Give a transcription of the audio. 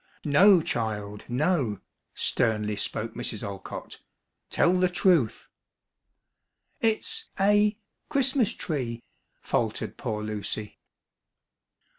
"No, child, no!" sternly spoke Mrs. Olcott. "Tell the truth!" "It's a Christmas tree!" faltered poor Lucy.